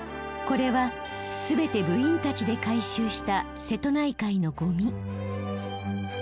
これはすべて部員たちで回収した瀬戸内海のゴミ。